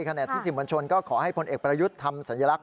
ขณะที่สื่อมวลชนก็ขอให้พลเอกประยุทธ์ทำสัญลักษ